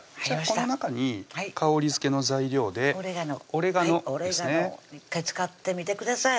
この中に香りづけの材料でオレガノですね１回使ってみてください